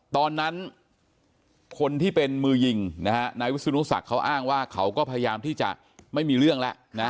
ตอนนั้นคนที่เป็นมือยิงนะฮะนายวิศนุศักดิ์เขาอ้างว่าเขาก็พยายามที่จะไม่มีเรื่องแล้วนะ